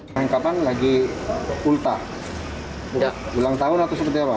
penangkapan lagi ulta ulang tahun atau seperti apa